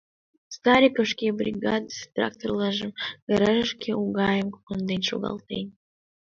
Стариков шке бригадысе тракторлажым гаражышке у гайым конден шогалтен.